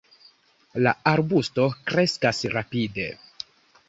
La arbusto kreskas rapide.